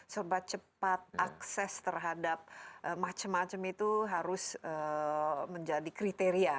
serba cepat akses terhadap macam macam itu harus menjadi kriteria